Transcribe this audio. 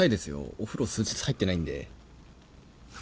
お風呂数日入ってないんで。